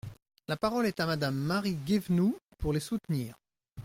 La parole est à Madame Marie Guévenoux, pour les soutenir.